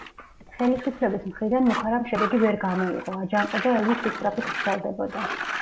ხელისუფლების მხრიდან მუქარამ შედეგი ვერ გამოიღო, აჯანყება ელვის სისწრაფით ვრცელდებოდა.